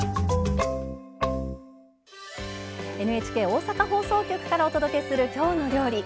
ＮＨＫ大阪放送局からお届けする「きょうの料理」